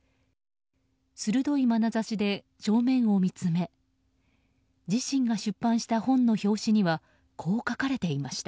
鋭いまなざしで正面を見つめ自身が出版した本の表紙にはこう書かれていました。